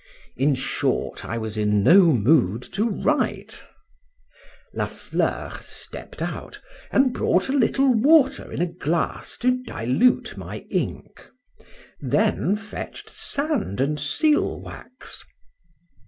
In short, I was in no mood to write. La Fleur stepp'd out and brought a little water in a glass to dilute my ink,—then fetch'd sand and seal wax.